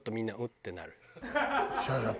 ってなる。